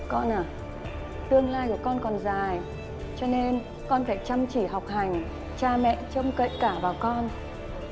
con à tương lai của con còn dài cho nên con phải chăm chỉ học hành cha mẹ trông cậy cả vào con